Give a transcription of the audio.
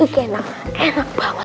ikan yang enak banget